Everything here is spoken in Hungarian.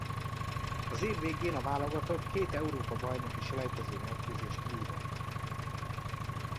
Az év végén a válogatott két Európa-bajnoki-selejtező mérkőzést vívott.